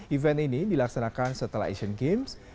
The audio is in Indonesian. event ini dilaksanakan setelah asian games